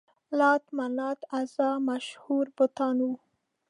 لات، منات، عزا مشهور بتان وو.